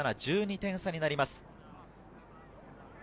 １２点差になります。